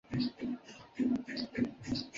丹麦克朗是丹麦的法定货币。